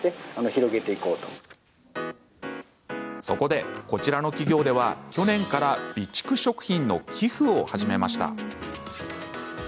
そこで、こちらの企業では去年から備蓄食品の寄付を始めました。